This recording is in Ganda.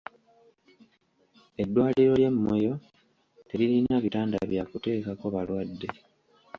Eddwaliro ly'e Moyo teririna bitanda bya kuteekako balwadde.